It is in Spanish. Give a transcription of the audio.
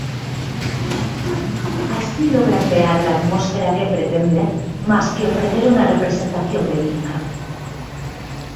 Así logra crear la atmósfera que pretende, más que ofrecer una representación verídica.